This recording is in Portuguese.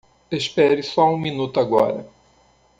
Espere só um minuto agora.